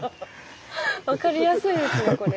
分かりやすいですねこれ。